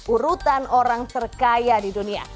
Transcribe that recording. urutan orang terkaya di dunia